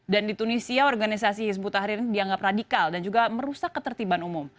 dan di tunisia organisasi hizbut tahrir ini dianggap radikal dan juga merusak ketertiban umum